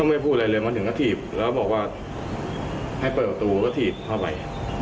เขาไม่พูดอะไรเลยมันถึงก็ถีบแล้วเขาบอกจะเปิดประตูก็ถีบเข้าไป